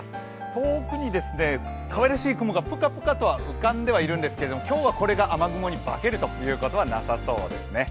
遠くにかわいらしい雲がぷかぷかと浮かんではいるんですけど今日はこれが雨雲に化けるということはなさそうですね。